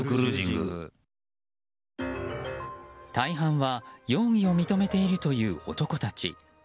大半は容疑を認めているという男たち。